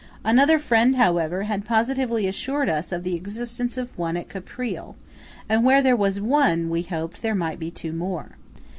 Another friend, however, had positively assured us of the existence of one at Caprile; and where there was one, we hoped there might be two more.